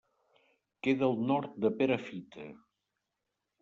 Queda al nord de Perafita.